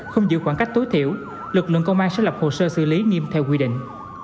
không giữ khoảng cách tối thiểu lực lượng công an sẽ lập hồ sơ xử lý nghiêm theo quy định